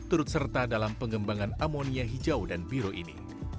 turut serta dalam pengembangan amonia hijau dan biru ini